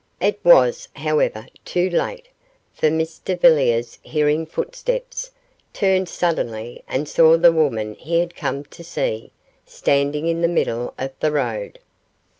It was, however, too late, for Mr Villiers, hearing footsteps, turned suddenly and saw the woman he had come to see standing in the middle of the road.